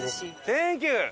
サンキュー！